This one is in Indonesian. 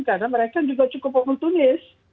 karena mereka juga cukup umum tunis